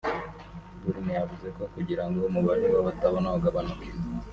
Bourne yavuze ko kugira ngo umubare w’abatabona ugabanuke